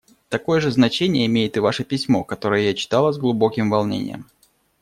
Такое же значение имеет и ваше письмо, которое я читала с глубоким волнением.